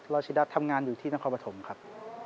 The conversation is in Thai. ชิดาทำงานอยู่ที่นครปฐมครับ